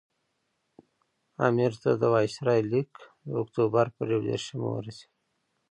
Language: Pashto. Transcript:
امیر ته د وایسرا لیک د اکټوبر پر یو دېرشمه ورسېد.